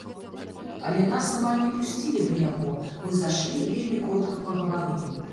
Але нас амаль не пусцілі да яго, мы зашлі і вельмі коратка пагаварылі.